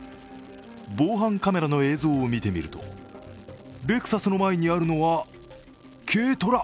防犯カメラの映像を見てみるとレクサスの前にあるのは軽トラ。